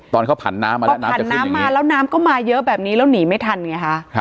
ตอนเขาผ่านน้ำมาแล้วน้ำจะขึ้นอย่างนี้ผ่านน้ำมาแล้วน้ำก็มาเยอะแบบนี้แล้วหนีไม่ทันไงคะ